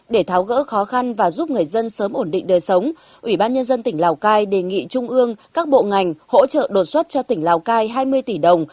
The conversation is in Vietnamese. để tháo gỡ khó khăn và giúp người dân sớm ổn định đời sống ủy ban nhân dân tỉnh lào cai đề nghị trung ương các bộ ngành hỗ trợ đột xuất cho tỉnh lào cai hai mươi tỷ đồng